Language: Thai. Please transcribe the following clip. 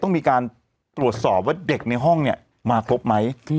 ต้องมีการตรวจสอบว่าเด็กในห้องเนี่ยมาครบไหม